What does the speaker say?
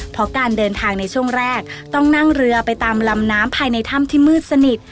เพราะการเดินทางในช่วงแรกต้องนั่งเรือไปตามลำน้ำภายในถ้ำที่มืดสนิท